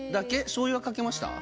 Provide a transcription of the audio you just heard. しょうゆはかけました？